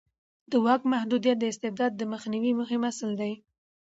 د واک محدودیت د استبداد د مخنیوي مهم اصل دی